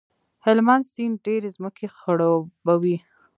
هلمند سیند ډېرې ځمکې خړوبوي.